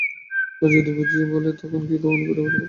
পরেশবাবুকে যদি বুঝিয়ে বলিস তিনি কখনোই পীড়াপীড়ি করবেন না।